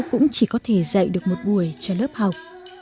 cũng chỉ có thể dạy được một buổi cho lớp học